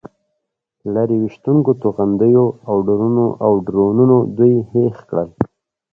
لرې ویشتونکو توغندیو او ډرونونو دوی هېښ کړل.